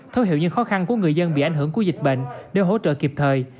thấu hiểu những khó khăn của người dân bị ảnh hưởng của dịch bệnh để hỗ trợ kịp thời